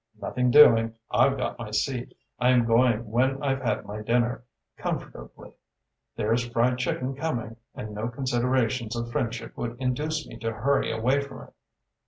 "Nothing doing. I've got my seat. I am going when I've had my dinner comfortably. There's fried chicken coming and no considerations of friendship would induce me to hurry away from it."